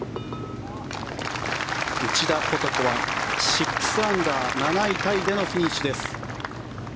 内田ことこは６アンダー７位タイでのフィニッシュです。